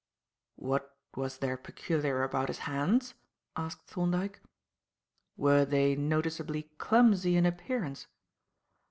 "What was there peculiar about his hands?" asked Thorndyke. "Were they noticeably clumsy in appearance?"